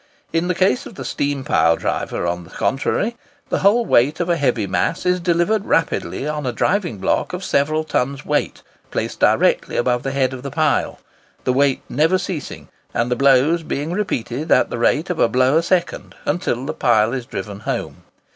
In the case of the steam pile driver, on the contrary, the whole weight of a heavy mass is delivered rapidly upon a driving block of several tons weight placed directly over the head of the pile, the weight never ceasing, and the blows being repeated at the rate of a blow a second, until the pile is driven home.